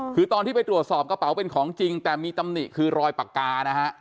คือตอนที่ไปตรวจสอบกระเป๋าเป็นของจริงแต่มีตำหนิคือรอยปากกานะฮะ